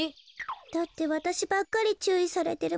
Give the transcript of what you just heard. だってわたしばっかりちゅういされてるもの。